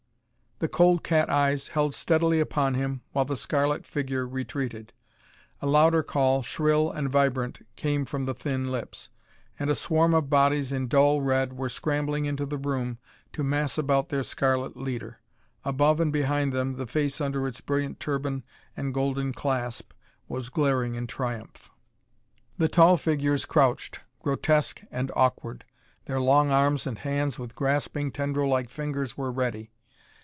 The cold cat eyes held steadily upon him while the scarlet figure retreated. A louder call, shrill and vibrant, came from the thin lips, and a swarm of bodies in dull red were scrambling into the room to mass about their scarlet leader. Above and behind them the face under its brilliant turban and golden clasp was glaring in triumph. The tall figures crouched, grotesque and awkward; their long arms and hands with grasping, tendril like fingers were ready.